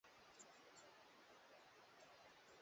Mwaka mwaka elfu moja mia tisa tisini na tisa